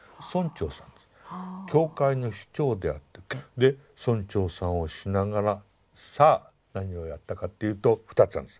教会の司教であってで村長さんをしながらさあ何をやったかっていうと２つあるんです。